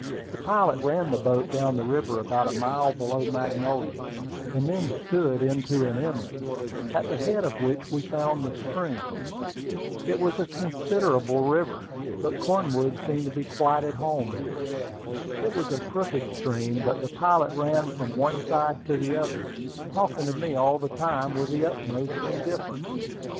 The pilot ran the boat down the river about a mile below Magnolia, and then stood into an inlet, at the head of which we found the stream. It was a considerable river, but Cornwood seemed to be quite at home in it. It was a crooked stream, but the pilot ran from one side to the other, talking to me all the time with the utmost indifference.